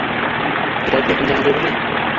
এটাও কি এখন জানা জরুরী?